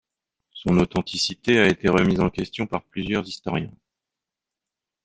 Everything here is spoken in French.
Son authenticité a été remise en question par plusieurs historiens.